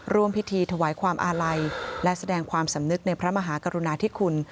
ร่วมพิธีถวายความอาลัยและแสดงความสำนึกในพระมหากรุณาธิคุณ